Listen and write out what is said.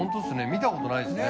見たことないですね。